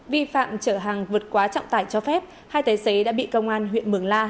vi phạm chở hàng vượt quá trọng tải cho phép hai tài xế đã bị công an huyện mường la